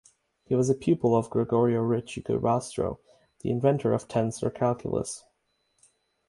He was a pupil of Gregorio Ricci-Curbastro, the inventor of tensor calculus.